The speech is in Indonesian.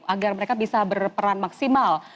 agar mereka bisa berperan maksimal